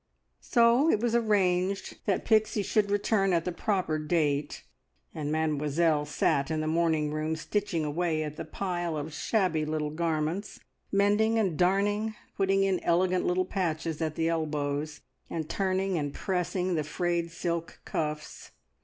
So it was arranged that Pixie should return at the proper date, and Mademoiselle sat in the morning room stitching away at the pile of shabby little garments, mending, and darning, putting in "elegant" little patches at the elbows, and turning and pressing the frayed silk cuffs.